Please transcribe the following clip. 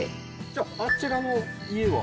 じゃあ、あちらの家は？